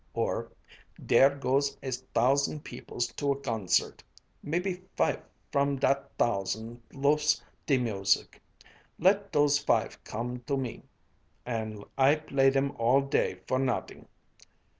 Or, "Dere goes a thousand peoples to a goncert maybe fife from dat thousand lofes de moosic let dose fife gome to me and I play dem all day for noding!"